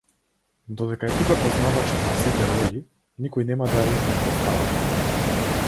Додека е тука познавачот на сите ролји, никој нема да ја утне претставата!